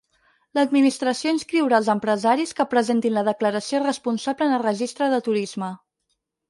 L'Administració inscriurà els empresaris que presentin la declaració responsable en el Registre de Turisme.